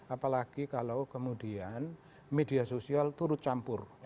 apalagi kalau kemudian media sosial turut campur